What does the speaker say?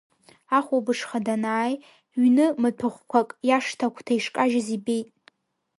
Ахәылбыҽха данааи, ҩны матәахәқәак иашҭа агәҭа ишкажьыз ибеит.